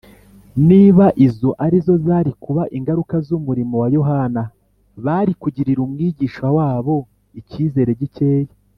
niba izo ari zo zari kuba ingaruka z’umurimo wa yohana, bari kugirira umwigisha wabo icyizere gikeya